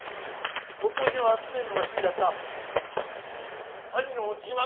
骨董品を集めるのが趣味だった兄の自慢のお宝。